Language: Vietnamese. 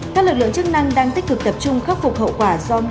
các lực lượng chức năng đang tích cực tập trung khắc phục hậu quả mưa lũ